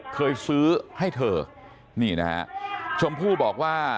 เคยซื้อให้เธอนี่นะฮะชมพู่บอกว่า